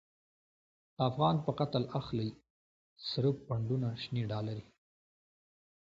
د افغان په قتل اخلی، سره پونډونه شنی ډالری